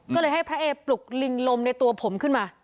ก็เลยให้พระเอปลุกลิงลมในตัวผมขึ้นมา